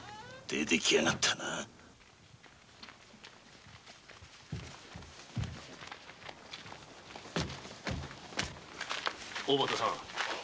出て来やがったな小畑さん！